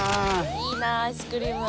いいなアイスクリーム。